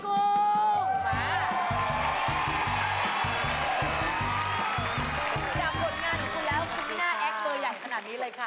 สวัสดีครับคุณมีหน้าแอ็คเบอร์ใหญ่ขนาดนี้เลยค่ะ